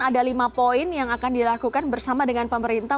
ada lima poin yang akan dilakukan bersama dengan pemerintah